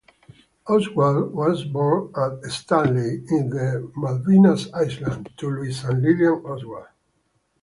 Oswald was born at Stanley in the Falkland Islands to Louis and Lillian Oswald.